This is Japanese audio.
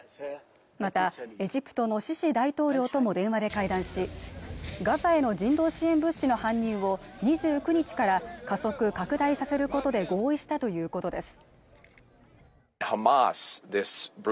またエジプトのシシ大統領とも電話で会談しガザへの人道支援物資の搬入を２９日から加速拡大させることで合意したということです